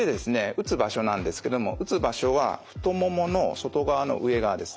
打つ場所なんですけども打つ場所は太ももの外側の上側です。